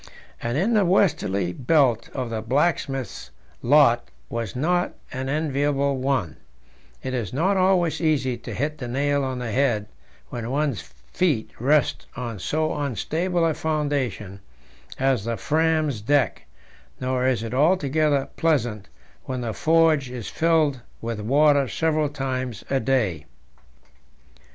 And in the westerly belt the blacksmith's lot was not an enviable one; it is not always easy to hit the nail on the head when one's feet rest on so unstable a foundation as the Fram's deck, nor is it altogether pleasant when the forge is filled with water several times a day.